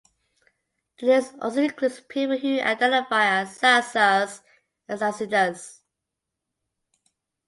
The list also includes people who identify as Zazas and Yazidis.